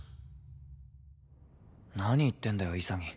何言ってんだよ潔。